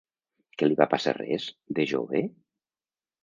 ¿Que li va passar res, de jove?